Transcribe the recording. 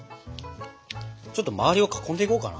ちょっとまわりを囲んでいこうかな。